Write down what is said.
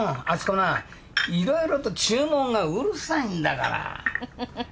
あそこないろいろと注文がうるさいんだから。